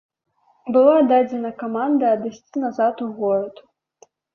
Была дадзена каманда адысці назад у горад.